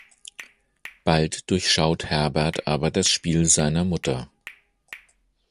Bald durchschaut Herbert aber das Spiel seiner Mutter.